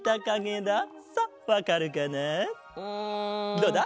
どうだ？